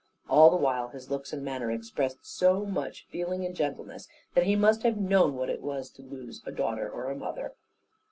All the while, his looks and manner expressed so much feeling and gentleness, that he must have known what it was to lose a daughter or mother.